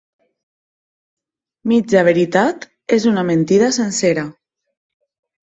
Mitja veritat és una mentida sencera.